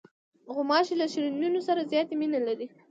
غوماشې له شیرینیو سره زیاتې مینې لري.